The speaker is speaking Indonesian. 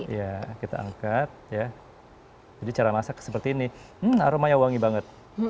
iya kita angkat ya jadi cara masak seperti ini aromanya wangi banget